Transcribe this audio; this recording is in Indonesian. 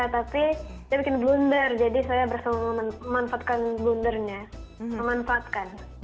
tapi dia bikin blunder jadi saya bersama memanfaatkan blundernya memanfaatkan